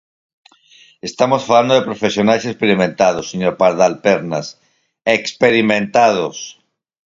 Estamos falando de profesionais experimentados, señor Pardal Pernas, ¡experimentados!